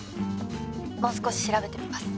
もう少し調べてみます。